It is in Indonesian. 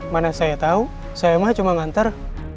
mana saya tahu saya mah cuma ngantar